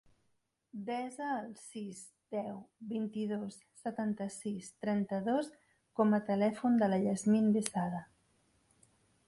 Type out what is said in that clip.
Desa el sis, deu, vint-i-dos, setanta-sis, trenta-dos com a telèfon de la Yasmine Besada.